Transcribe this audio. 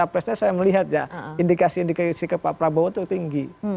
capresnya saya melihat ya indikasi indikasi ke pak prabowo itu tinggi